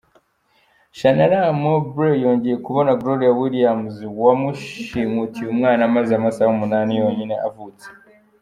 Shanara Mobley yongeye kubona Gloria Williams, wamushimutiye umwana amaze amasaha umunani yonyine avutse.